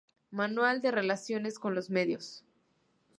Manual de relaciones con los medios.